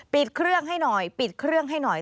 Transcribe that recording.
ปิดเครื่องให้หน่อยปิดเครื่องให้หน่อย